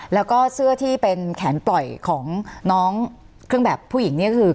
แล้วก็เสื้อที่เป็นแขนปล่อยของน้องเครื่องแบบผู้หญิงเนี่ยก็คือ